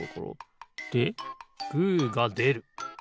でグーがでる。